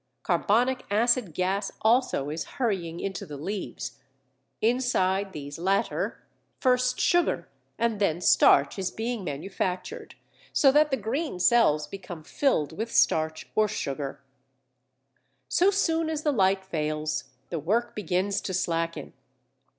Carbonic acid gas also is hurrying into the leaves; inside these latter first sugar and then starch is being manufactured, so that the green cells become filled with starch or sugar. So soon as the light fails, the work begins to slacken.